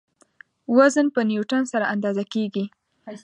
وزن په نیوټن سره اندازه کیږي.